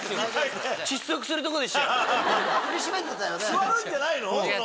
座るんじゃないの？